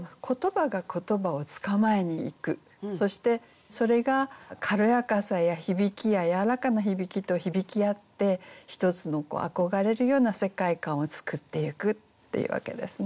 そうするとそしてそれが軽やかさや響きややわらかな響きと響き合って一つの憧れるような世界観を作っていくっていうわけですね。